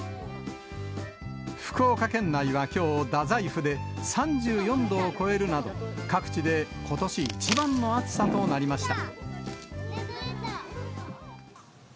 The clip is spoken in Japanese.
福岡県内はきょう、大宰府で３４度を超えるなど、各地でことし一番の暑さとなりました。